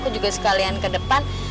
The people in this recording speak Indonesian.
aku juga sekalian kedepan